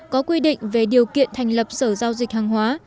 có quy định về điều kiện thành lập sở giao dịch hàng hóa